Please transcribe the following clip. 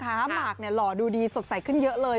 เต็มทีแล้วคุณผู้ชมคะมาร์คเนี่ยหล่อดูดีสดใสขึ้นเยอะเลย